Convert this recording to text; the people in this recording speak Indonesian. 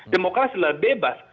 demokrasi adalah bebas